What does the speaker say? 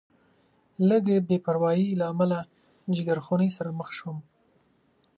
لږې بې پروایۍ له امله جیګرخونۍ سره مخ شوم.